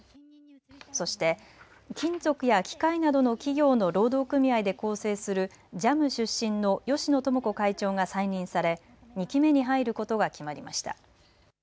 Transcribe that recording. そして金属や機械などの企業の労働組合で構成するＪＡＭ出身の芳野友子会長が再任され２期目に入ることが決まりました。